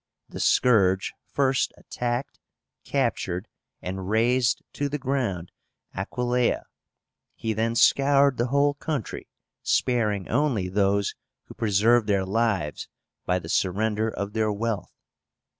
The "Scourge" first attacked, captured, and rased to the ground Aquileia. He then scoured the whole country, sparing only those who preserved their lives by the surrender of their wealth.